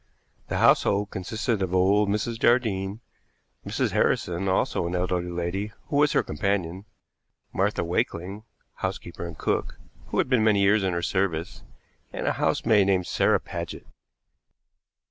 The household consisted of old Mrs. Jardine, Mrs. Harrison, also an elderly lady, who was her companion, Martha Wakeling, housekeeper and cook, who had been many years in her service; and a housemaid named Sarah Paget.